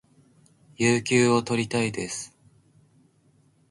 有給を取りたいです